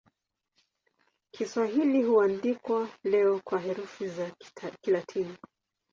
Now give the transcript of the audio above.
Kiswahili huandikwa leo kwa herufi za Kilatini.